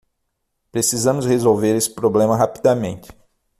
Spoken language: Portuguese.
Precisamos resolver esse problema rapidamente.